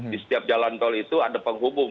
di setiap jalan tol itu ada penghubung